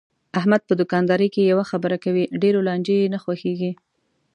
احمد په دوکاندارۍ کې یوه خبره کوي، ډېرو لانجې یې نه خوښږي.